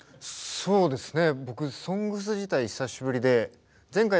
そうですね。